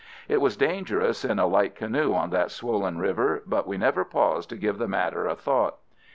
It was dangerous in a light canoe on that swollen river, but we never paused to give the matter a thought.